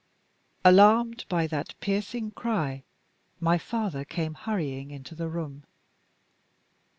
Alarmed by that piercing cry, my father came hurrying into the room.